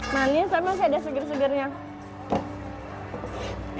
manis tapi masih ada segar segarnya